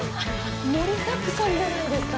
盛りだくさんじゃないですか。